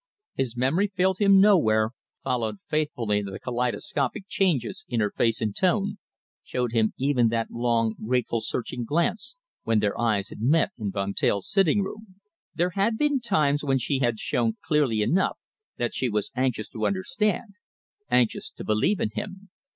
His memory failed him nowhere, followed faithfully the kaleidoscopic changes in her face and tone, showed him even that long, grateful, searching glance when their eyes had met in Von Teyl's sitting room. There had been times when she had shown clearly enough that she was anxious to understand, anxious to believe in him.